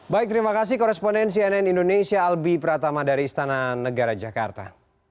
baik terima kasih koresponden cnn indonesia albi pratama dari istana negara jakarta